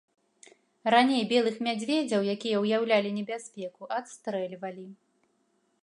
Раней белых мядзведзяў, якія ўяўлялі небяспеку, адстрэльвалі.